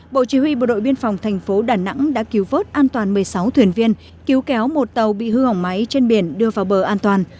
bộ chỉ huy bộ đội biên phòng thành phố đà nẵng đã cứu vớt an toàn một mươi sáu thuyền viên cứu kéo một tàu bị hư hỏng máy trên biển đưa vào bờ an toàn